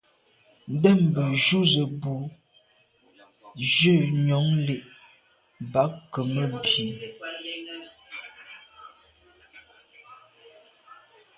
Ndə̂mbə́ jú zə̄ bū jʉ̂ nyɔ̌ŋ lí’ bɑ̌k gə̀ mə́ bí.